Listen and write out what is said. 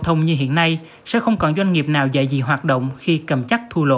thông như hiện nay sẽ không còn doanh nghiệp nào dạy gì hoạt động khi cầm chắc thu lỗ